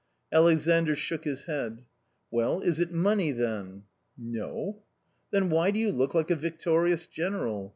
" Alexandr shook his head. " Well, is it money, then ?"" No." " Then, why do you look like a victorious general